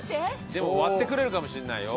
でも割ってくれるかもしれないよ。